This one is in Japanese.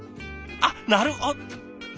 あっなるほどあっ。